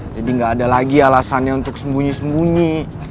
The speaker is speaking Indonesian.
jadi gak ada lagi alasannya untuk sembunyi sembunyi